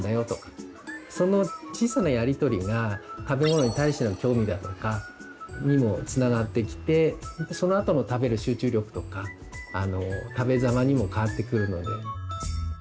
その小さなやり取りが食べ物に対しての興味だとかにもつながってきてそのあとの食べる集中力とかあの食べざまにもかわってくるので。